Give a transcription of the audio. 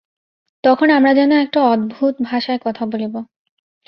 তখন আমরা যেন একটা অদ্ভুত ভাষায় কথা বলিব।